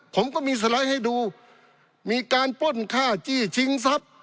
ผมก็มีสไลด์ให้ดูมีการป้นค่าจี้ชิงทรัพย์